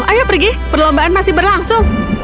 ayo pergi perlombaan masih berlangsung